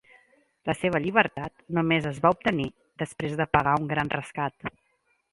La seva llibertat només es va obtenir després de pagar un gran rescat.